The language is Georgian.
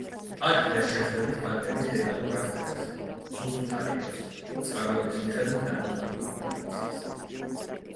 აქ ვერ შეხვდებით ფაქტების დეტალურ აღწერას, ზუსტ თარიღებს, წყაროების მიხედვით დამოწმებულ ინფორმაციას.